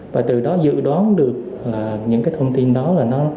và từ đó dự đoán được những cái thông tin đó là nó sẽ lan tỏa mức độ nào